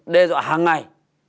đe dọa hàng ngày